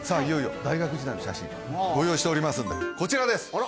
いよいよ大学時代の写真ご用意しておりますんでこちらです